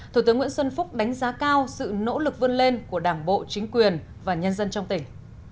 thủ tướng nguyễn xuân phúc đánh giá cao sự nỗ lực vươn lên của đảng bộ chính quyền và nhân dân trong tỉnh